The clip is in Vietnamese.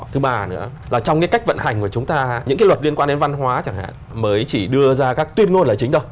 thứ ba nữa là trong cách vận hành của chúng ta những luật liên quan đến văn hóa chẳng hạn mới chỉ đưa ra các tuyên ngôn lời chính thôi